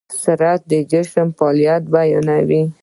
سرعت د جسم فعالیت بیانوي.